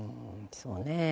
そうね。